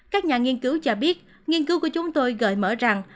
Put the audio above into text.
các nhà nghiên cứu cho biết nghiên cứu của chúng tôi gợi mở rằng